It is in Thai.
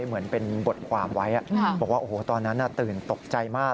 เหมือนเป็นบทความไว้บอกว่าโอ้โหตอนนั้นตื่นตกใจมาก